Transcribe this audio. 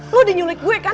lo udah nyulik gue kan